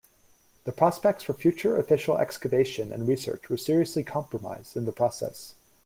The prospects for future official excavation and research were seriously compromised in the process.